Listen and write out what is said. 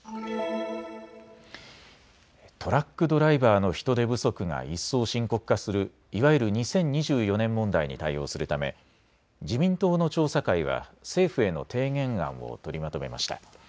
トラックドライバーの人手不足が一層深刻化するいわゆる２０２４年問題に対応するため自民党の調査会は政府への提言案を取りまとめました。